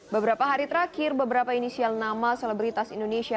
beberapa hari terakhir beberapa inisial nama selebritas indonesia